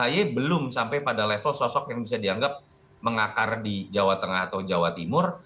ahy belum sampai pada level sosok yang bisa dianggap mengakar di jawa tengah atau jawa timur